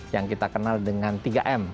yang kita kenal dengan tiga m